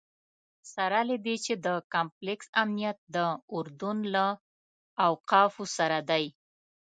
سره له دې چې د کمپلکس امنیت د اردن له اوقافو سره دی.